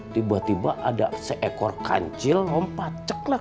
tiba tiba ada seekor kancil lompat ceklah